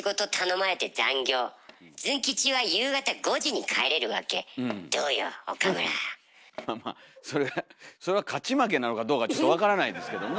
まあまあそれそれは勝ち負けなのかどうかちょっと分からないですけどもね。